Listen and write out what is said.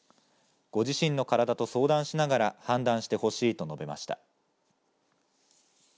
ご自身の体と相談しながら判断してほしいと述べました。